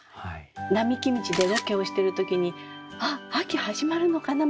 並木道でロケをしてる時に秋始まるのかな